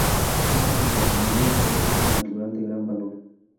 Cuenta con patrimonio histórico y natural de gran valor.